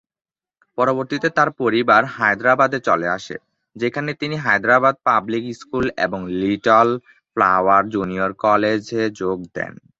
পরবর্তীতে তার পরিবার হায়দ্রাবাদে চলে আসে, যেখানে তিনি হায়দ্রাবাদ পাবলিক স্কুল এবং লিটল ফ্লাওয়ার জুনিয়র কলেজে যোগ দেন।